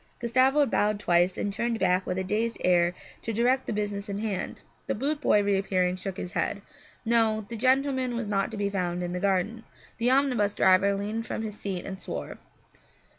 Gustavo bowed twice and turned back with a dazed air to direct the business in hand. The boot boy, reappearing, shook his head. No, the gentleman was not to be found in the garden. The omnibus driver leaned from his seat and swore.